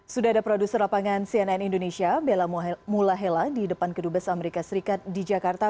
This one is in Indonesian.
sudah ada produser lapangan cnn indonesia bella mulahela di depan kedubes amerika serikat di jakarta